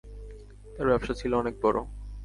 তার ব্যবসা ছিল অনেক বড়ো।